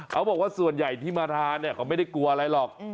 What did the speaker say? เขาบอกว่าส่วนใหญ่ที่มาทานเนี่ยเขาไม่ได้กลัวอะไรหรอก